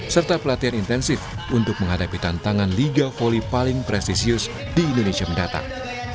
serta pelatihan intensif untuk menghadapi tantangan liga voli paling prestisius di indonesia mendatang